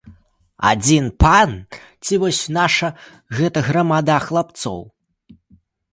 Адзін пан ці вось наша гэта грамада хлопцаў?!